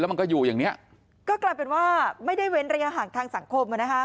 มันก็อยู่อย่างเนี้ยก็กลายเป็นว่าไม่ได้เว้นระยะห่างทางสังคมอ่ะนะคะ